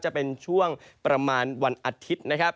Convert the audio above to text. จะเป็นช่วงประมาณวันอาทิตย์นะครับ